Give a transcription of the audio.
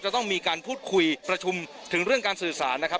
จะต้องมีการพูดคุยประชุมถึงเรื่องการสื่อสารนะครับ